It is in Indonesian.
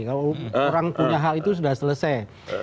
kalau orang punya hal itu sudah selesai